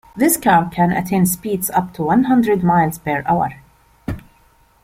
This car can attain speeds up to one hundred miles per hour.